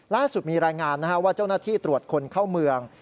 ล่าสุดมีรายงานว่าเจ้าหน้าที่ตรวจคนเข้าเมือง